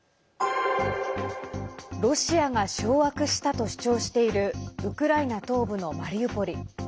ロシアが掌握したと主張しているウクライナ東部のマリウポリ。